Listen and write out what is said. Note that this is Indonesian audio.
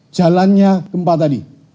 jalannya keempat tadi